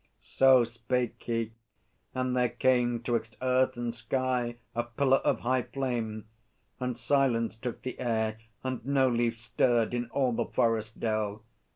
So spake he, and there came 'Twixt earth and sky a pillar of high flame. And silence took the air, and no leaf stirred In all the forest dell.